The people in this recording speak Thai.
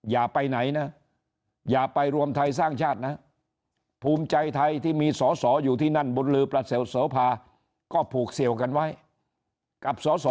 อย่าไปไหนนะอย่าไปรวมไทยสร้างชาตินะภูมิใจไทยที่มีสอสออยู่ที่นั่นบุญลือประเสริฐโสภาก็ผูกเสี่ยวกันไว้กับสอสอ